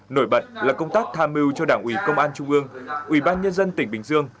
nổi bật là công tác tham mưu cho đảng ủy công an trung ương ủy ban nhân dân tỉnh bình dương